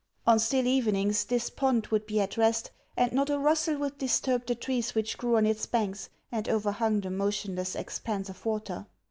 On still evenings this pond would be at rest, and not a rustle would disturb the trees which grew on its banks and overhung the motionless expanse of water.